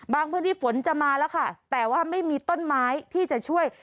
พื้นที่ฝนจะมาแล้วค่ะแต่ว่าไม่มีต้นไม้ที่จะช่วย